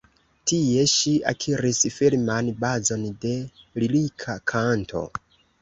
Tie, ŝi akiris firman bazon de lirika kanto.